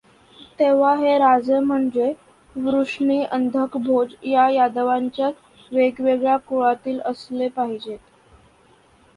तेव्हा हे राजे म्हणजे, वृष्णी, अंधक, भोज या यादवांच्याच वेगवेगळ्या कुळांतील असले पाहिजेत.